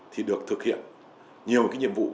thì được thực hiện nhiều nhiệm vụ